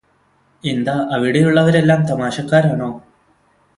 എന്താ അവിടെയുള്ളവരെല്ലാം തമാശക്കാരാണോ